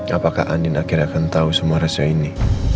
apakah andin akhirnya akan tahu semua rasa ini